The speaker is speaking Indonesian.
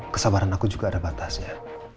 kesabaran aku juga ada batasnya